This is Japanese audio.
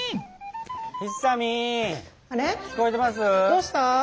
どうした？